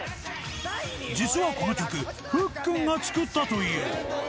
実はこの曲ふっくんが作ったという。